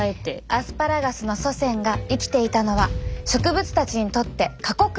アスパラガスの祖先が生きていたのは植物たちにとって過酷な土地。